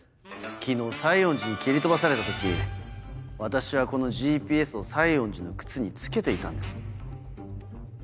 昨日西園寺に蹴り飛ばされた時私はこのＧＰＳを西園寺の靴に付けていたんです。